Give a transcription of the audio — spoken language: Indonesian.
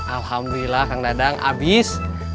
alhamdulillah kang dadang abis